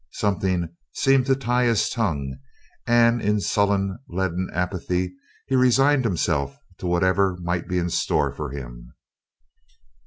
Something seemed to tie his tongue, and in sullen leaden apathy he resigned himself to whatever might be in store for him.